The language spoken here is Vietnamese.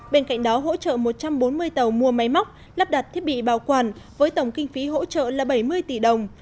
bên cạnh đó hỗ trợ một trăm bốn mươi tàu mua máy móc lắp đặt thiết bị bảo quản với tổng kinh phí hỗ trợ là bảy mươi tỷ đồng